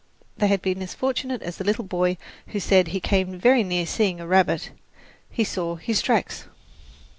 They had been as fortunate as the little boy who said he came very near seeing a rabbit he saw his tracks.